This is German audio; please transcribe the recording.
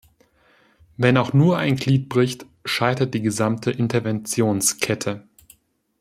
Wenn auch nur ein Glied bricht, scheitert die gesamte Interventionskette.